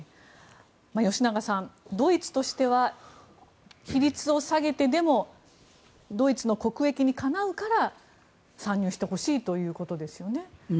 吉永さん、ドイツとしては比率を下げてでもドイツの国益にかなうから参入してほしいということですよね。